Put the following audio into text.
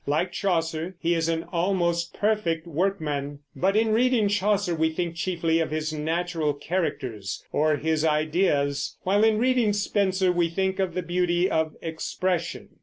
Like Chaucer, he is an almost perfect workman; but in reading Chaucer we think chiefly of his natural characters or his ideas, while in reading Spenser we think of the beauty of expression.